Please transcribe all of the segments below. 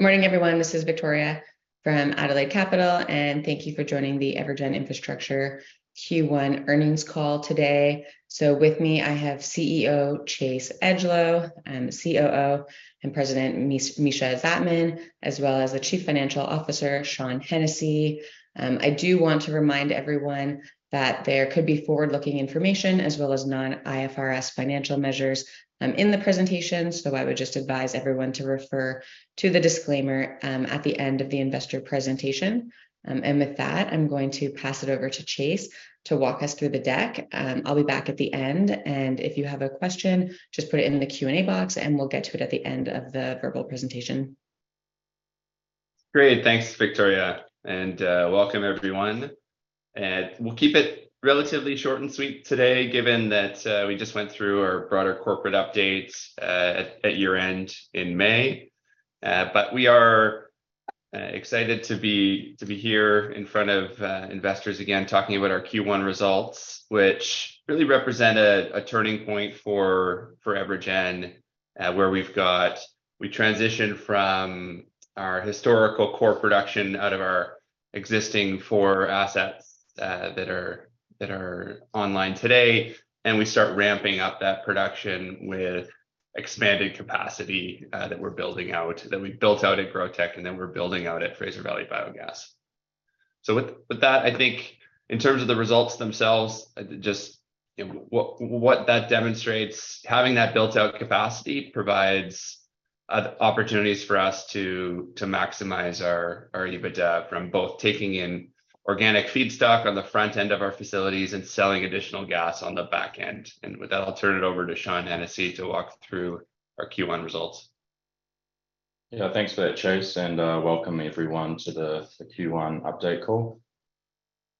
Good morning, everyone. This is Victoria from Adelaide Capital, thank you for joining the EverGen Infrastructure Q1 earnings call today. With me, I have CEO, Chase Edgelow, and COO and President, Mischa Zajtmann, as well as Chief Financial Officer, Sean Hennessy. I do want to remind everyone that there could be forward-looking information, as well as non-IFRS financial measures, in the presentation, so I would just advise everyone to refer to the disclaimer at the end of the investor presentation. With that, I'm going to pass it over to Chase to walk us through the deck. I'll be back at the end, and if you have a question, just put it in the Q&A box, and we'll get to it at the end of the verbal presentation. Great. Thanks, Victoria. Welcome everyone. We'll keep it relatively short and sweet today, given that we just went through our broader corporate updates at year-end in May. We are excited to be here in front of investors again, talking about our Q1 results, which really represent a turning point for EverGen, where we transition from our historical core production out of our existing four assets that are online today, and we start ramping up that production with expanded capacity that we're building out, that we built out at GrowTEC, and then we're building out at Fraser Valley Biogas. With that, I think in terms of the results themselves, just, you know, what that demonstrates, having that built-out capacity provides opportunities for us to maximize our EBITDA from both taking in organic feedstock on the front end of our facilities and selling additional gas on the back end. With that, I'll turn it over to Sean Hennessy to walk through our Q1 results. Yeah, thanks for that, Chase, welcome everyone to the Q1 update call.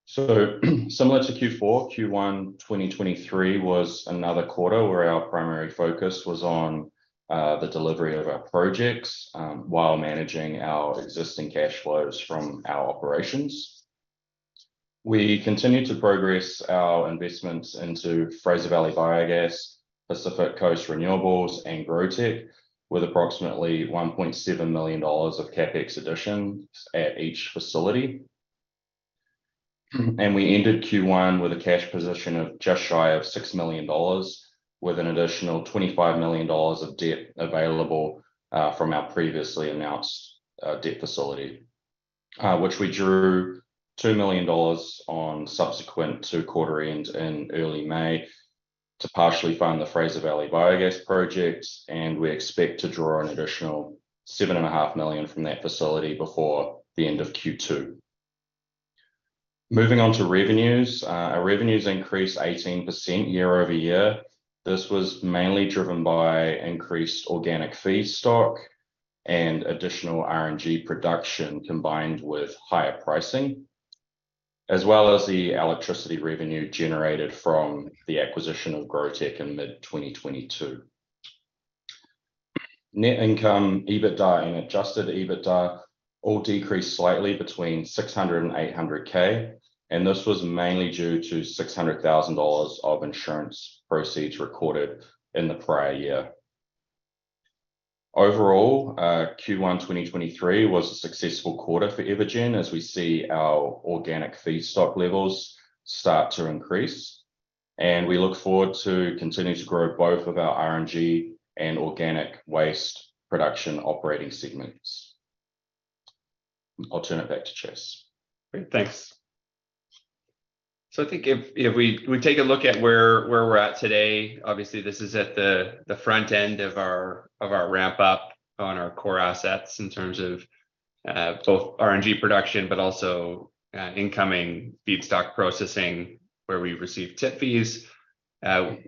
Similar to Q4, Q1 2023 was another quarter where our primary focus was on the delivery of our projects while managing our existing cash flows from our operations. We continued to progress our investments into Fraser Valley Biogas, Pacific Coast Renewables, and GrowTEC, with approximately 1.7 million dollars of CapEx additions at each facility. We ended Q1 with a cash position of just shy of 6 million dollars, with an additional 25 million dollars of debt available from our previously announced debt facility. Which we drew 2 million dollars on subsequent to quarter end in early May to partially fund the Fraser Valley Biogas project, and we expect to draw an additional 7.5 million from that facility before the end of Q2. Moving on to revenues. Our revenues increased 18% year-over-year. This was mainly driven by increased organic feedstock and additional RNG production, combined with higher pricing, as well as the electricity revenue generated from the acquisition of GrowTEC in mid-2022. Net income, EBITDA and adjusted EBITDA, all decreased slightly between 600,000 and 800,000, and this was mainly due to 600,000 dollars of insurance proceeds recorded in the prior year. Overall, Q1 2023 was a successful quarter for EverGen, as we see our organic feedstock levels start to increase, and we look forward to continuing to grow both of our RNG and organic waste production operating segments. I'll turn it back to Chase. Great, thanks. I think if we take a look at where we're at today, obviously, this is at the front end of our ramp up on our core assets in terms of both RNG production, but also incoming feedstock processing, where we receive tip fees.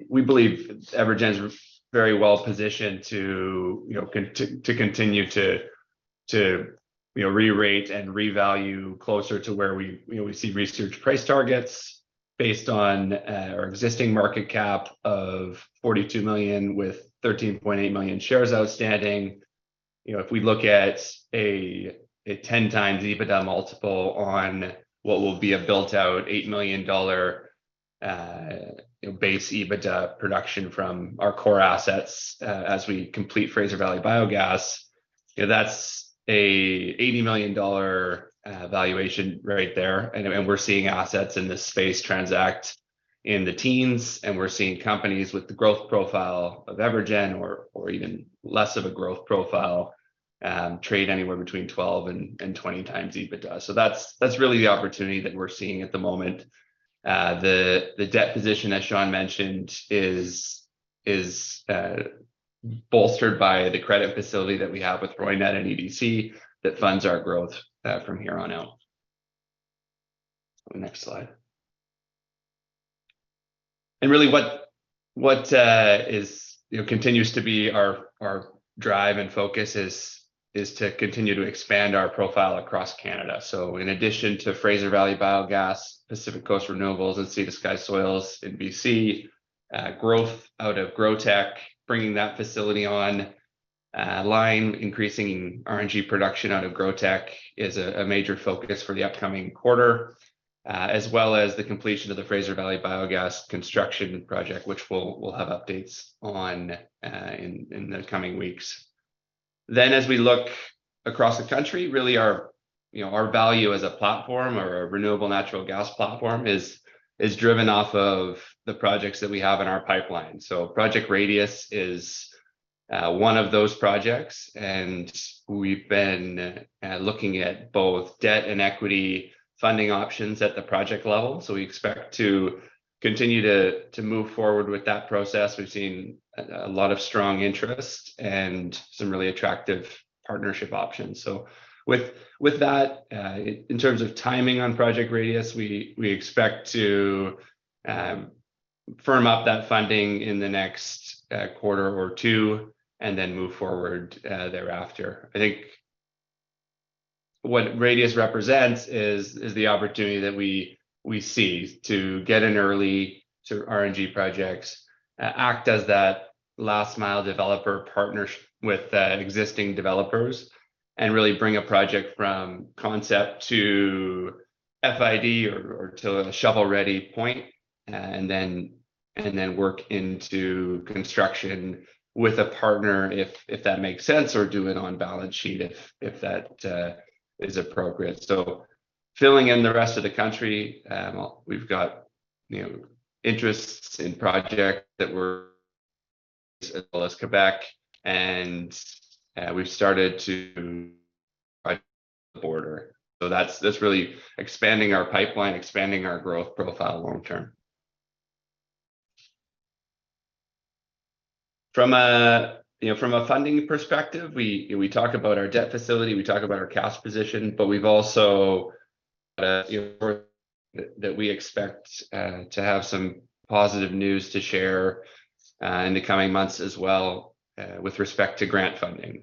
We believe EverGen's very well positioned to, you know, continue to, you know, re-rate and revalue closer to where we, you know, we see research price targets based on our existing market cap of 42 million, with 13.8 million shares outstanding. You know, if we look at a 10x EBITDA multiple on what will be a built-out 8 million dollar, you know, base EBITDA production from our core assets as we complete Fraser Valley Biogas, you know, that's a 80 million dollar valuation right there. We're seeing assets in this space transact in the teens, we're seeing companies with the growth profile of EverGen or even less of a growth profile, trade anywhere between 12x and 20x EBITDA. That's, that's really the opportunity that we're seeing at the moment. The debt position, as Sean mentioned, is bolstered by the credit facility that we have with Roynat and EDC that funds our growth from here on out. Next slide. Really, what is, you know, continues to be our drive and focus is to continue to expand our profile across Canada. In addition to Fraser Valley Biogas, Pacific Coast Renewables, and Sea to Sky Soils in BC, growth out of GrowTEC, bringing that facility on line, increasing RNG production out of GrowTEC is a major focus for the upcoming quarter. As well as the completion of the Fraser Valley Biogas Construction Project, which we'll have updates on in the coming weeks. As we look across the country, really our, you know, our value as a platform or a renewable natural gas platform is driven off of the projects that we have in our pipeline. Project Radius is one of those projects, and we've been looking at both debt and equity funding options at the project level. We expect to continue to move forward with that process. We've seen a lot of strong interest and some really attractive partnership options. With that, in terms of timing on Project Radius, we expect to firm up that funding in the next quarter or two, and then move forward thereafter. I think what Radius represents is the opportunity that we see to get in early to RNG projects, act as that last-mile developer, partners with existing developers, and really bring a project from concept to FID or to a shovel-ready point, then work into construction with a partner if that makes sense, or do it on balance sheet if that is appropriate. Filling in the rest of the country, we've got, you know, interests in project as well as Quebec, and we've started to border. That's really expanding our pipeline, expanding our growth profile long term. From a, you know, from a funding perspective, we talk about our debt facility, we talk about our cash position. We've also, you know, that we expect to have some positive news to share in the coming months as well, with respect to grant funding.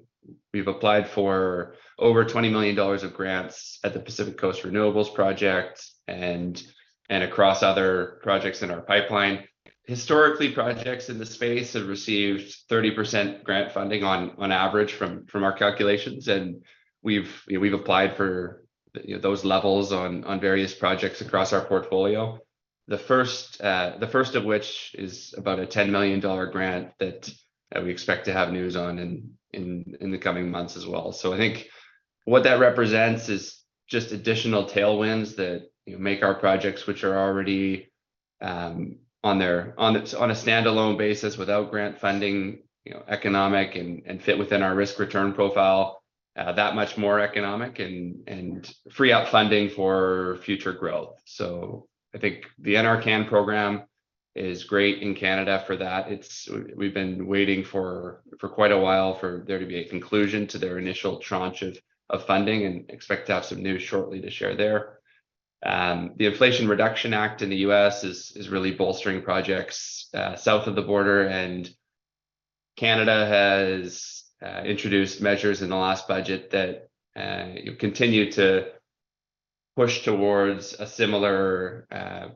We've applied for over 20 million dollars of grants at the Pacific Coast Renewables project and across other projects in our pipeline. Historically, projects in this space have received 30% grant funding on average from our calculations, and we've applied for those levels on various projects across our portfolio. The first of which is about a 10 million dollar grant that we expect to have news on in the coming months as well. I think what that represents is just additional tailwinds that, you know, make our projects, which are already on their, on a, on a standalone basis, without grant funding, you know, economic and fit within our risk return profile, that much more economic and free up funding for future growth. I think the NRCan program is great in Canada for that. We've been waiting for quite a while for there to be a conclusion to their initial tranche of funding and expect to have some news shortly to share there. The Inflation Reduction Act in the U.S. is really bolstering projects south of the border, and Canada has introduced measures in the last budget that continue to push towards a similar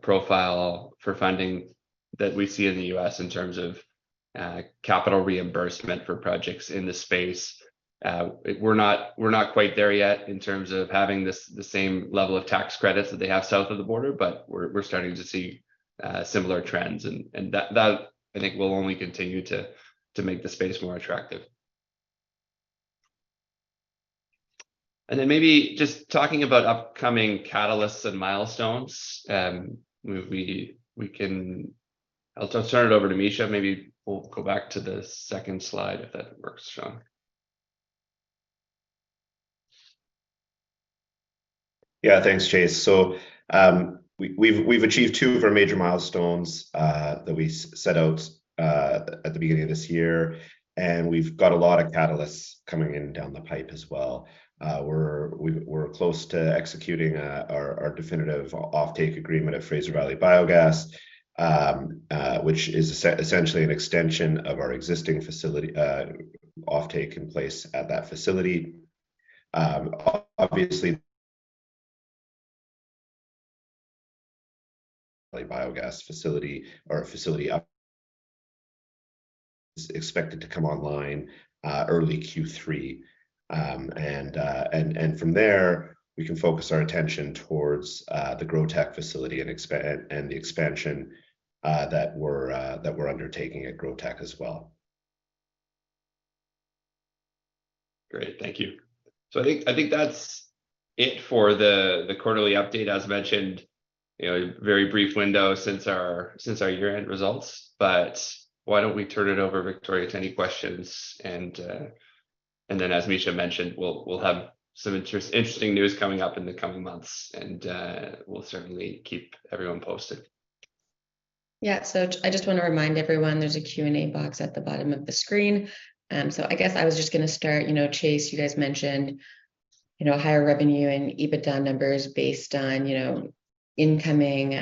profile for funding that we see in the U.S. in terms of capital reimbursement for projects in this space. We're not quite there yet in terms of having the same level of tax credits that they have south of the border, but we're starting to see similar trends. That I think will only continue to make the space more attractive. Maybe just talking about upcoming catalysts and milestones, I'll turn it over to Mischa. Maybe we'll go back to the second slide, if that works, Sean. Yeah, thanks, Chase. We've achieved two of our major milestones that we set out at the beginning of this year, and we've got a lot of catalysts coming in down the pipe as well. We're close to executing our definitive offtake agreement at Fraser Valley Biogas, which is essentially an extension of our existing facility offtake in place at that facility. Obviously, Biogas facility or facility... expected to come online early Q3. From there, we can focus our attention towards the GrowTEC facility and the expansion that we're undertaking at GrowTEC as well. Great. Thank you. I think that's it for the quarterly update. As mentioned, you know, a very brief window since our year-end results, why don't we turn it over, Victoria, to any questions? Then, as Misha mentioned, we'll have some interesting news coming up in the coming months, and we'll certainly keep everyone posted. I just wanna remind everyone, there's a Q&A box at the bottom of the screen. I guess I was just gonna start, you know, Chase, you guys mentioned, you know, higher revenue and EBITDA numbers based on, you know, incoming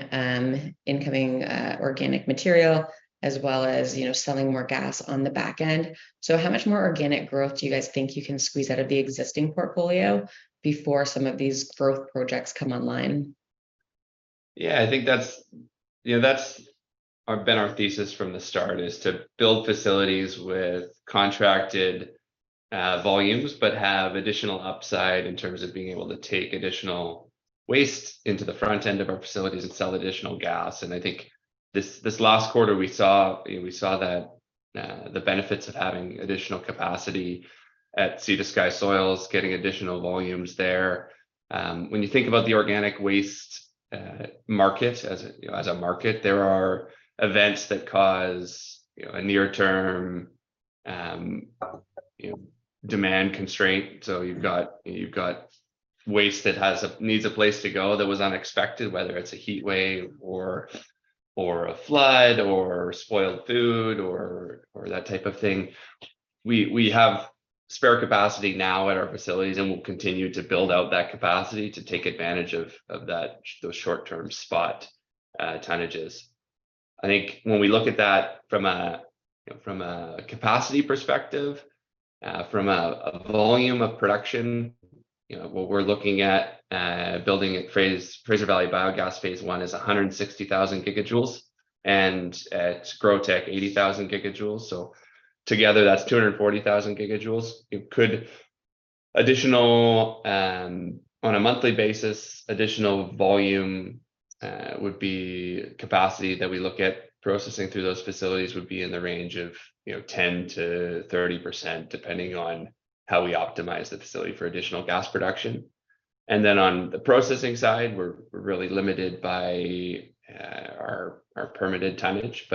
organic material, as well as, you know, selling more gas on the back end. How much more organic growth do you guys think you can squeeze out of the existing portfolio before some of these growth projects come online? Yeah, I think that's our, been our thesis from the start, is to build facilities with contracted volumes, have additional upside in terms of being able to take additional waste into the front end of our facilities and sell additional gas. I think this last quarter, we saw that the benefits of having additional capacity at Sea to Sky Soils, getting additional volumes there. When you think about the organic waste market as a, you know, as a market, there are events that cause, you know, a near-term, you know, demand constraint. You've got waste that needs a place to go that was unexpected, whether it's a heat wave or a flood, or spoiled food, or that type of thing. We have spare capacity now at our facilities, we'll continue to build out that capacity to take advantage of that, those short-term spot tonnages. I think when we look at that from a capacity perspective, from a volume of production, you know, what we're looking at building at Fraser Valley Biogas, Phase 1 is 160,000 GJ, and at GrowTEC, 80,000 GJ. Together, that's 240,000 GJ. It could additional. On a monthly basis, additional volume would be capacity that we look at processing through those facilities would be in the range of, you know, 10%-30%, depending on how we optimize the facility for additional gas production. Then on the processing side, we're really limited by our permitted tonnage.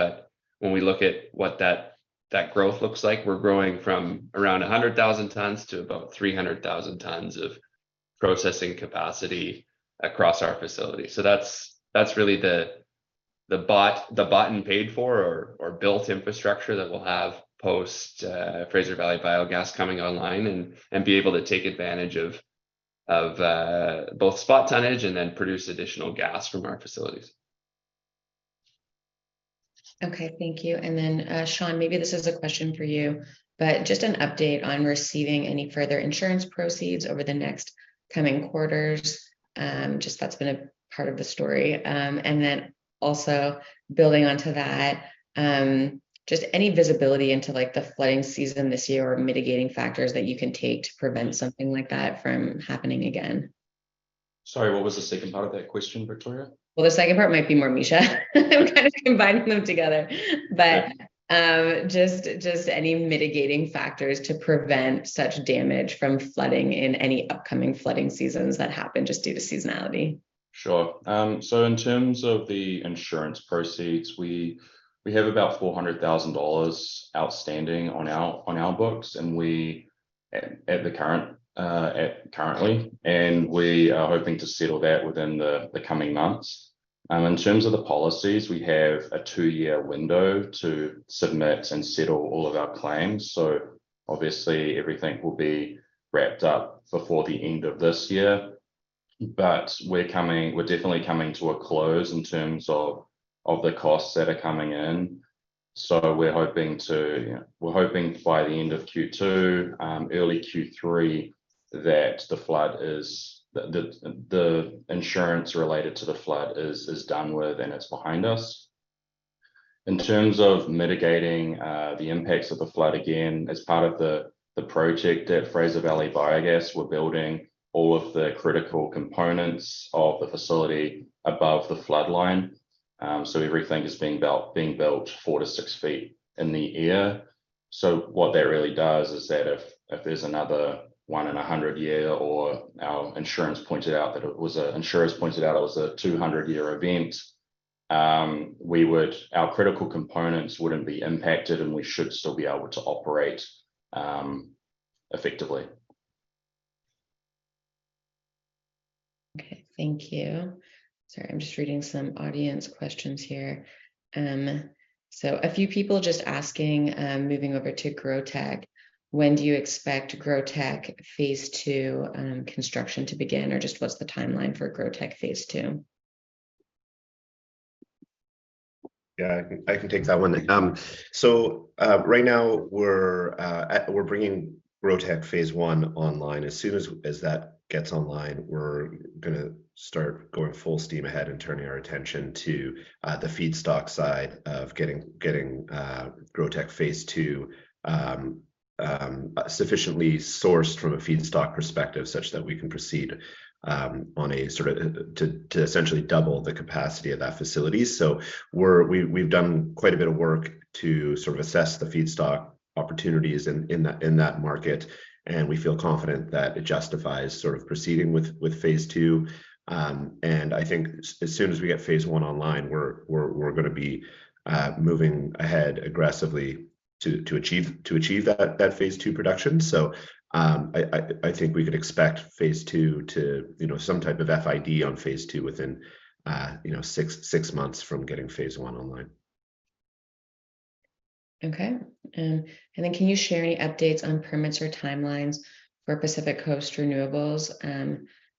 When we look at what that growth looks like, we're growing from around 100,000 tons to about 300,000 tons of processing capacity across our facility. That's really the bought and paid for or built infrastructure that we'll have post Fraser Valley Biogas coming online and be able to take advantage of both spot tonnage and then produce additional gas from our facilities. Okay, thank you. Sean, maybe this is a question for you, but just an update on receiving any further insurance proceeds over the next coming quarters. Just that's been a part of the story. Also building onto that, just any visibility into, like, the flooding season this year or mitigating factors that you can take to prevent something like that from happening again? Sorry, what was the second part of that question, Victoria? Well, the second part might be more Misha. I'm kind of combining them together. Okay. Just any mitigating factors to prevent such damage from flooding in any upcoming flooding seasons that happen just due to seasonality? Sure. In terms of the insurance proceeds, we have about 400,000 dollars outstanding on our books, and we, currently, and we are hoping to settle that within the coming months. In terms of the policies, we have a two-year window to submit and settle all of our claims, so obviously everything will be wrapped up before the end of this year. We're definitely coming to a close in terms of the costs that are coming in. We're hoping to, we're hoping by the end of Q2, early Q3, that the flood is, the insurance related to the flood is done with and it's behind us. In terms of mitigating the impacts of the flood, again, as part of the project at Fraser Valley Biogas, we're building all of the critical components of the facility above the flood line. Everything is being built four to six feet in the air. What that really does is that if there's another one in a 100-year or our insurer has pointed out it was a 200-year event, our critical components wouldn't be impacted, and we should still be able to operate effectively. Okay, thank you. Sorry, I'm just reading some audience questions here. A few people just asking, moving over to GrowTEC, when do you expect GrowTEC Phase 2 construction to begin, or just what's the timeline for GrowTEC Phase 2? I can take that one. Right now we're bringing GrowTEC Phase 1 online. As soon as that gets online, we're gonna start going full steam ahead and turning our attention to the feedstock side of getting GrowTEC Phase 2 sufficiently sourced from a feedstock perspective, such that we can proceed on a sort of to essentially double the capacity of that facility. We've done quite a bit of work to sort of assess the feedstock opportunities in that market, and we feel confident that it justifies sort of proceeding with Phase 2. I think as soon as we get Phase 1 online, we're gonna be moving ahead aggressively to achieve that Phase 2 production. I think we can expect Phase 2 to, you know, some type of FID on Phase 2 within, you know, 6 months from getting Phase 1 online. Okay. Then can you share any updates on permits or timelines for Pacific Coast Renewables?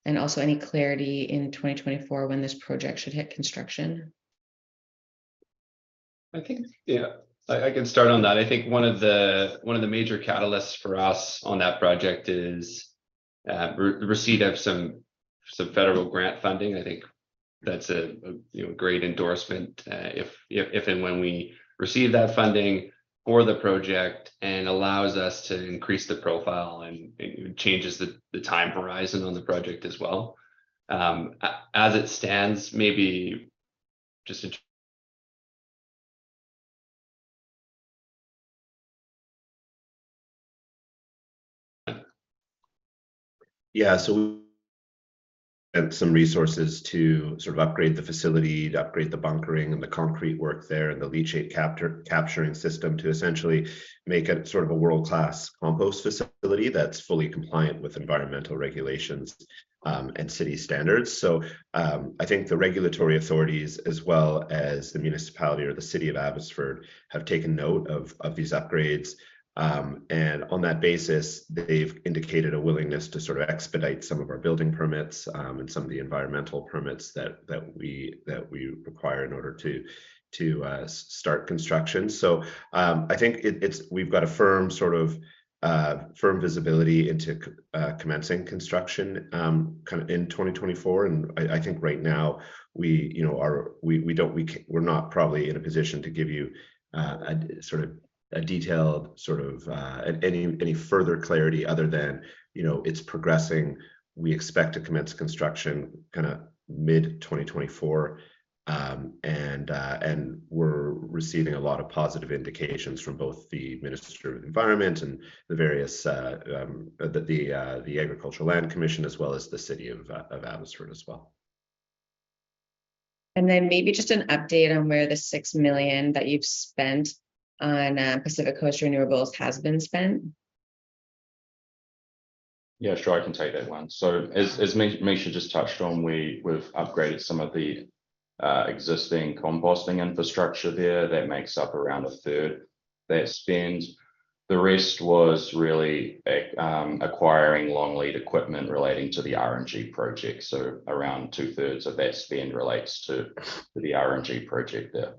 Also any clarity in 2024 when this project should hit construction? I think, yeah, I can start on that. I think one of the major catalysts for us on that project is receipt of some federal grant funding. I think that's a, you know, great endorsement, if and when we receive that funding for the project, and allows us to increase the profile, and it changes the time horizon on the project as well. As it stands, maybe just in- Yeah, so we add some resources to sort of upgrade the facility, to upgrade the bunkering and the concrete work there, and the leachate capturing system to essentially make it sort of a world-class compost facility that's fully compliant with environmental regulations and city standards. I think the regulatory authorities, as well as the municipality or the City of Abbotsford, have taken note of these upgrades. On that basis, they've indicated a willingness to sort of expedite some of our building permits and some of the environmental permits that we require in order to start construction. I think it's we've got a firm sort of firm visibility into commencing construction kind of in 2024. I think right now we, you know, are. We don't we're not probably in a position to give you a sort of a detailed sort of any further clarity other than, you know, it's progressing. We expect to commence construction kinda mid-2024. We're receiving a lot of positive indications from both the Ministry of Environment and the various the Agricultural Land Commission, as well as the City of Abbotsford as well. Maybe just an update on where the 6 million that you've spent on, Pacific Coast Renewables has been spent? Sure, I can take that one. As Mischa Zajtmann just touched on, we've upgraded some of the existing composting infrastructure there. That makes up around a third that spend. The rest was really acquiring long-lead equipment relating to the RNG project, around 2/3 of that spend relates to the RNG project there.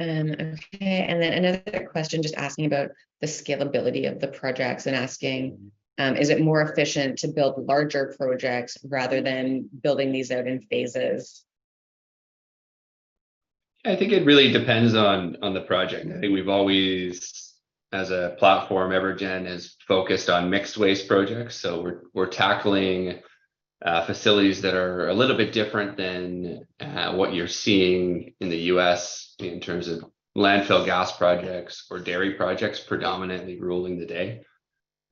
Okay, then another question just asking about the scalability of the projects, asking, "Is it more efficient to build larger projects rather than building these out in phases? I think it really depends on the project. I think we've always, as a platform, EverGen is focused on mixed-waste projects, so we're tackling facilities that are a little bit different than what you're seeing in the U.S. in terms of landfill gas projects or dairy projects predominantly ruling the day.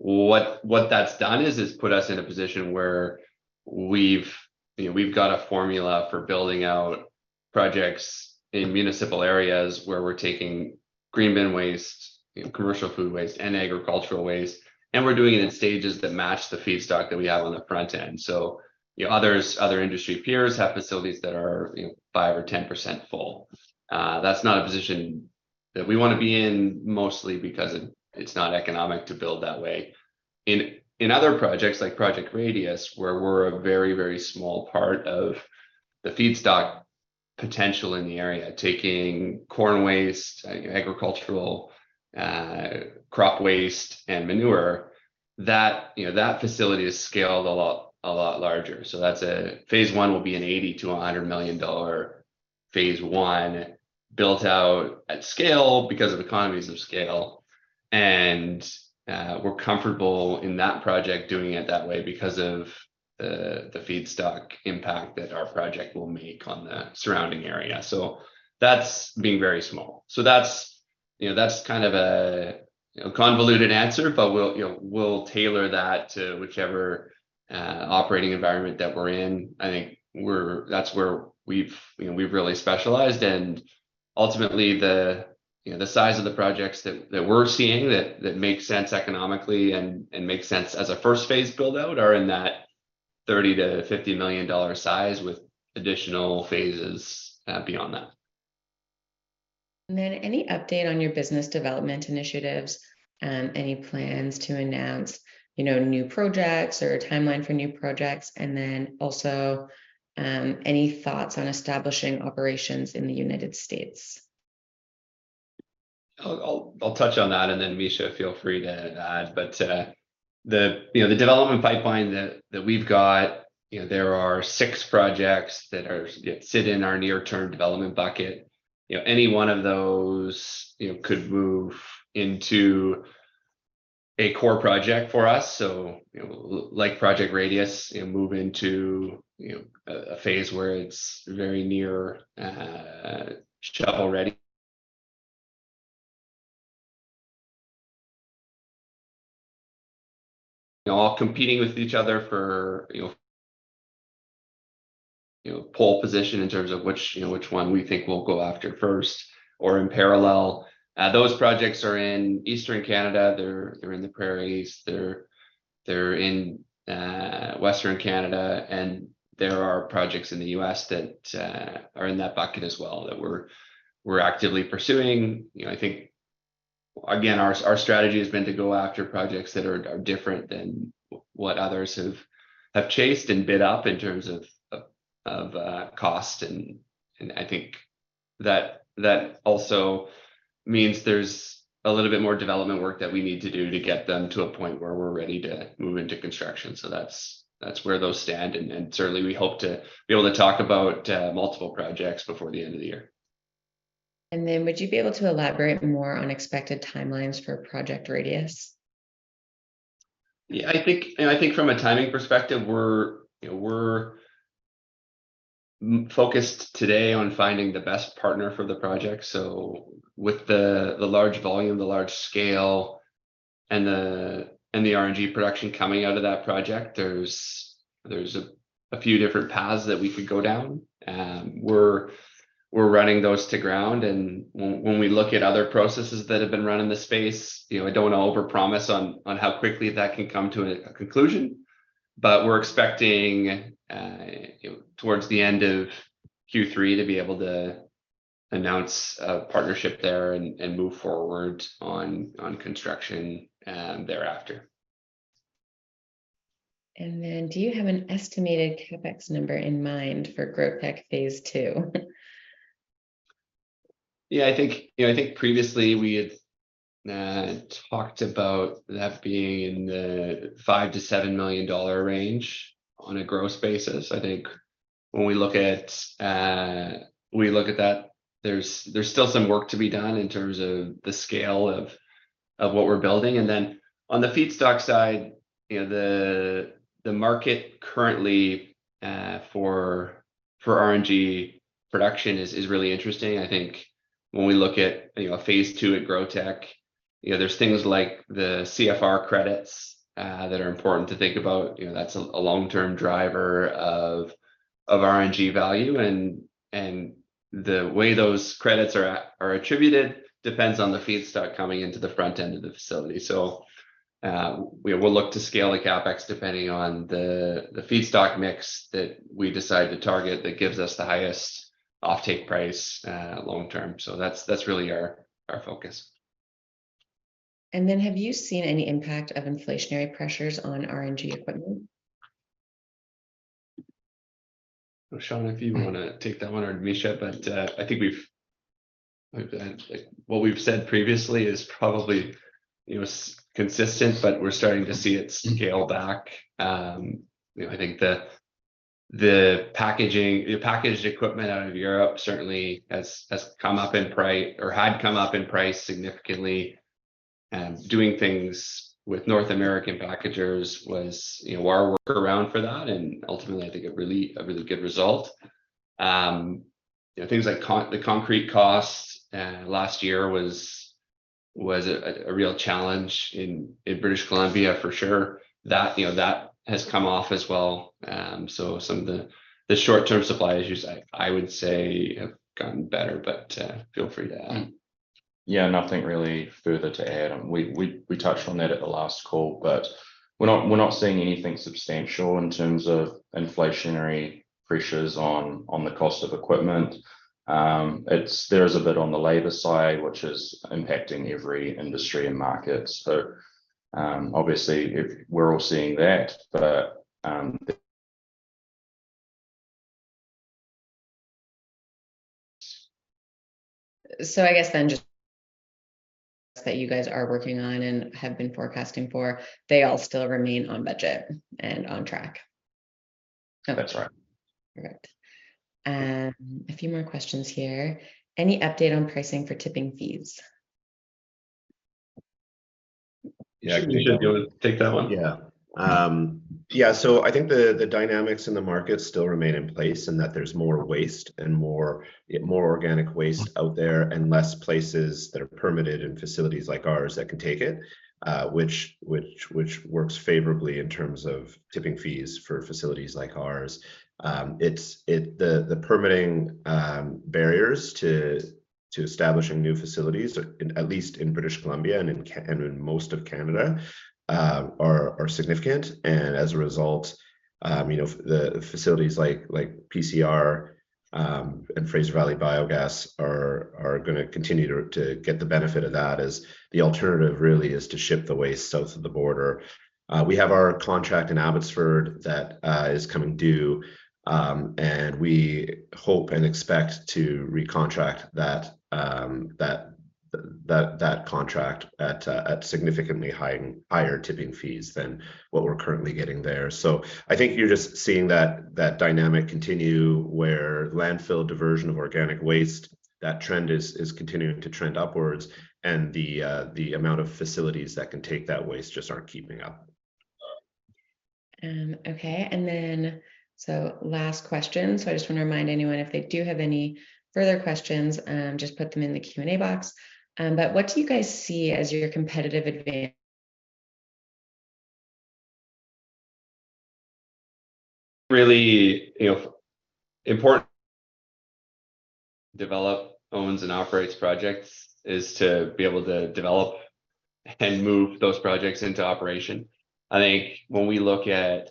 That's done is put us in a position where we've, you know, we've got a formula for building out projects in municipal areas, where we're taking green bin waste, you know, commercial food waste, and agricultural waste, and we're doing it in stages that match the feedstock that we have on the front end. You know, others, other industry peers have facilities that are, you know, 5% or 10% full. That's not a position that we wanna be in, mostly because it's not economic to build that way. In other projects, like Project Radius, where we're a very, very small part of the feedstock potential in the area, taking corn waste, agricultural crop waste, and manure, that, you know, that facility is scaled a lot larger. That's Phase 1 will be a 80 million-100 million dollar Phase 1, built out at scale because of economies of scale. We're comfortable in that project doing it that way because of the feedstock impact that our project will make on the surrounding area. That's being very small. That's, you know, that's kind of a convoluted answer, but we'll, you know, we'll tailor that to whichever operating environment that we're in. I think that's where we've, you know, we've really specialized, and ultimately, the, you know, the size of the projects that we're seeing that make sense economically and make sense as a first-phase build-out are in that 30 million-50 million dollar size, with additional phases beyond that. Any update on your business development initiatives, any plans to announce, you know, new projects or a timeline for new projects? Also, any thoughts on establishing operations in the United States? I'll touch on that, then, Mischa Zajtmann, feel free to add. The, you know, the development pipeline that we've got, you know, there are six projects that are, you know, sit in our near-term development bucket. You know, any one of those, you know, could move into a core project for us. You know, like Project Radius, you know, move into, you know, a phase where it's very near, shovel-ready. You know, all competing with each other for, you know, you know, pole position in terms of which, you know, which one we think we'll go after first or in parallel. Those projects are in Eastern Canada. They're in the prairies, they're in Western Canada, and there are projects in the U.S. that are in that bucket as well that we're actively pursuing. You know, again, our strategy has been to go after projects that are different than what others have chased and bid up in terms of cost. I think that also means there's a little bit more development work that we need to do to get them to a point where we're ready to move into construction. That's where those stand, and certainly we hope to be able to talk about multiple projects before the end of the year. Would you be able to elaborate more on expected timelines for Project Radius? I think, and I think from a timing perspective, we're, you know, we're focused today on finding the best partner for the project. With the large volume, the large scale, and the RNG production coming out of that project, there's a few different paths that we could go down. We're running those to ground, and when we look at other processes that have been run in the space, you know, I don't wanna overpromise on how quickly that can come to a conclusion. We're expecting, you know, towards the end of Q3 to be able to announce a partnership there and move forward on construction thereafter. Do you have an estimated CapEx number in mind for GrowTEC Phase 2? Yeah, I think, you know, I think previously we had talked about that being in the 5 million-7 million dollar range on a gross basis. I think when we look at, we look at that, there's still some work to be done in terms of the scale of what we're building. Then on the feedstock side, you know, the market currently for RNG production is really interesting. I think when we look at, you know, a Phase 2 at GrowTEC, you know, there's things like the CFR credits that are important to think about. You know, that's a long-term driver of RNG value, and the way those credits are attributed depends on the feedstock coming into the front end of the facility. We will look to scale the CapEx depending on the feedstock mix that we decide to target that gives us the highest offtake price, long term. That's really our focus. Have you seen any impact of inflationary pressures on RNG equipment? Sean, if you wanna take that one or Mischa Zajtmann, but I think we've, like, what we've said previously is probably, you know, consistent, but we're starting to see it scale back. You know, I think the packaging, the packaged equipment out of Europe certainly has come up in price, or had come up in price significantly. Doing things with North American packagers was, you know, our workaround for that, and ultimately I think a really good result. You know, things like the concrete costs last year was a real challenge in British Columbia for sure. That, you know, that has come off as well. some of the short-term supply issues I would say have gotten better, but feel free to add. Yeah, nothing really further to add. We touched on that at the last call, but we're not seeing anything substantial in terms of inflationary pressures on the cost of equipment. There is a bit on the labor side, which is impacting every industry and market. Obviously, we're all seeing that. I guess then just that you guys are working on and have been forecasting for, they all still remain on budget and on track? That's right. Correct. A few more questions here. Any update on pricing for tipping fees? Yeah, Mischa, do you want to take that one? I think the dynamics in the market still remain in place, in that there's more waste and more organic waste out there, and less places that are permitted, and facilities like ours that can take it, which works favorably in terms of tipping fees for facilities like ours. The permitting barriers to establishing new facilities, at least in British Columbia and in most of Canada, are significant. As a result, you know, the facilities like PCR and Fraser Valley Biogas are gonna continue to get the benefit of that, as the alternative really is to ship the waste south of the border. We have our contract in Abbotsford that is coming due. We hope and expect to recontract that contract at significantly higher tipping fees than what we're currently getting there. I think you're just seeing that dynamic continue, where landfill diversion of organic waste, that trend is continuing to trend upwards, and the amount of facilities that can take that waste just aren't keeping up. Okay, last question. I just wanna remind anyone, if they do have any further questions, just put them in the Q&A box. What do you guys see as your competitive advantage? Really, you know, important develop, owns, and operates projects, is to be able to develop and move those projects into operation. I think when we look at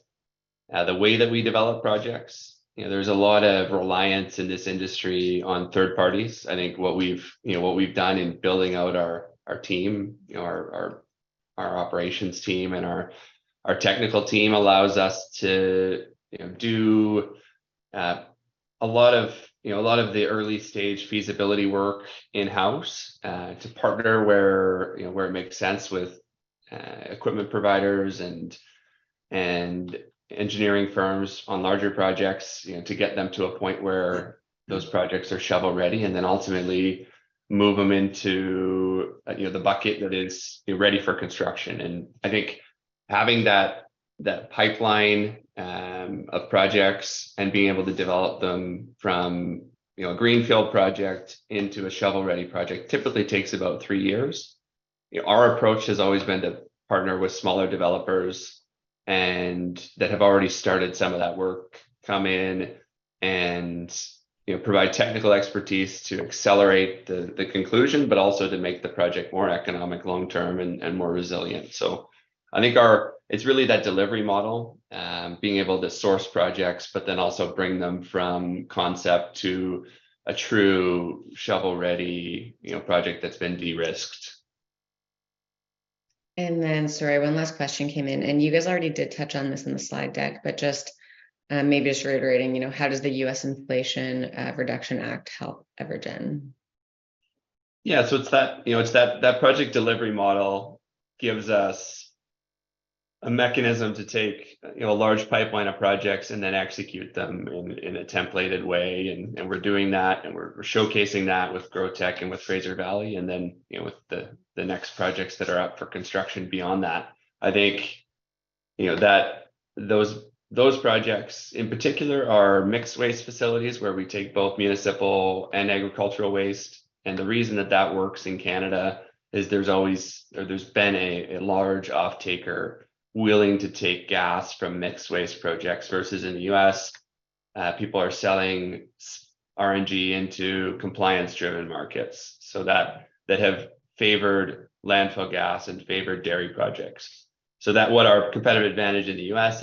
the way that we develop projects, you know, there's a lot of reliance in this industry on third parties. I think what we've, you know, what we've done in building out our team, you know, our, our operations team and our technical team allows us to, you know, do a lot of, you know, a lot of the early stage feasibility work in-house, to partner where, you know, where it makes sense with equipment providers and engineering firms on larger projects, you know, to get them to a point where those projects are shovel-ready, and then ultimately move them into, you know, the bucket that is ready for construction. I think having that pipeline of projects and being able to develop them from, you know, a greenfield project into a shovel-ready project, typically takes about three years. You know, our approach has always been to partner with smaller developers and that have already started some of that work, come in and, you know, provide technical expertise to accelerate the conclusion, but also to make the project more economic long-term and more resilient. I think it's really that delivery model, being able to source projects, but then also bring them from concept to a true shovel-ready, you know, project that's been de-risked. Sorry, one last question came in, and you guys already did touch on this in the slide deck, but just, maybe just reiterating, you know, how does the U.S. Inflation Reduction Act help EverGen? Yeah, so it's that, you know, it's that project delivery model gives us a mechanism to take, you know, a large pipeline of projects and then execute them in a templated way. We're doing that, and we're showcasing that with GrowTEC and with Fraser Valley, and then, you know, with the next projects that are up for construction beyond that. I think, you know, that those projects, in particular, are mixed waste facilities, where we take both municipal and agricultural waste. The reason that that works in Canada is there's always or there's been a large offtaker willing to take gas from mixed waste projects, versus in the U.S., people are selling RNG into compliance-driven markets, so that have favored landfill gas and favored dairy projects. That what our competitive advantage in the US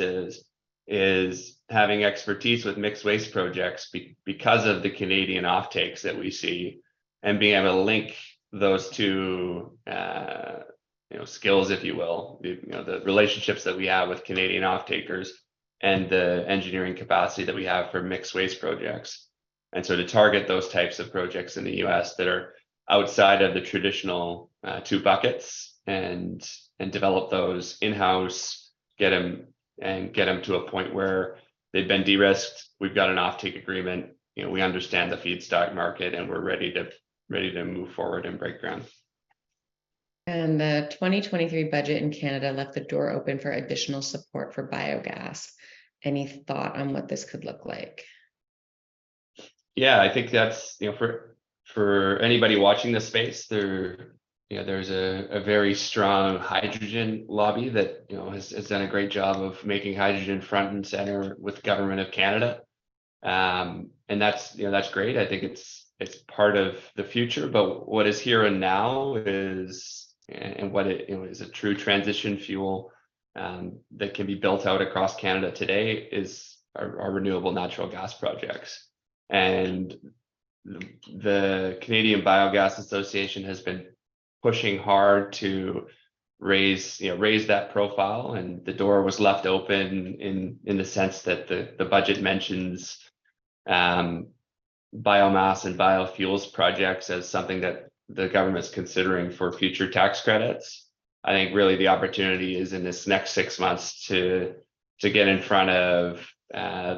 is having expertise with mixed waste projects because of the Canadian offtakes that we see, and being able to link those two, you know, skills, if you will, you know, the relationships that we have with Canadian offtakers and the engineering capacity that we have for mixed waste projects. To target those types of projects in the US that are outside of the traditional, two buckets, and develop those in-house, get them, and get them to a point where they've been de-risked, we've got an offtake agreement, you know, we understand the feedstock market, and we're ready to move forward and break ground. The 2023 budget in Canada left the door open for additional support for biogas. Any thought on what this could look like? Yeah, I think that's, you know, for anybody watching this space, there, you know, there's a very strong hydrogen lobby that, you know, has done a great job of making hydrogen front and center with the Government of Canada. That's, you know, that's great. I think it's part of the future, but what is here and now is, and what it, you know, is a true transition fuel, that can be built out across Canada today is our Renewable Natural Gas projects. The Canadian Biogas Association has been pushing hard to raise, you know, raise that profile, and the door was left open in the sense that the budget mentions, biomass and biofuels projects as something that the government is considering for future tax credits. I think really the opportunity is in this next six months to get in front of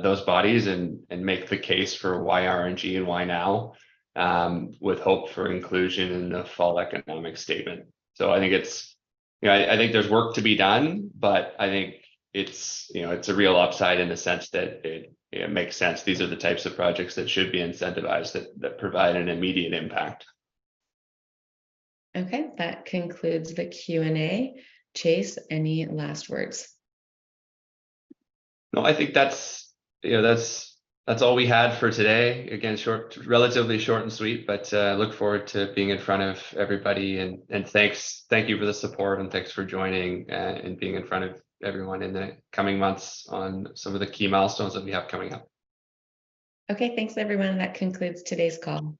those bodies and make the case for why RNG and why now, with hope for inclusion in the Fall Economic Statement. I think it's, you know, I think there's work to be done, but I think it's, you know, it's a real upside in the sense that it makes sense. These are the types of projects that should be incentivized, that provide an immediate impact. Okay, that concludes the Q&A. Chase, any last words? No, I think that's, you know, that's all we had for today. Again, short, relatively short and sweet, but look forward to being in front of everybody. Thanks, thank you for the support, and thanks for joining, and being in front of everyone in the coming months on some of the key milestones that we have coming up. Okay. Thanks, everyone. That concludes today's call.